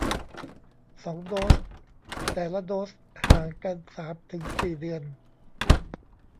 สองโดส แต่ละโดสห่างกันสามถึงสี่เดือน